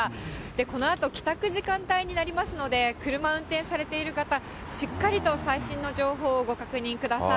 このあと帰宅時間帯になりますので、車運転されている方、しっかりと最新の情報をご確認ください。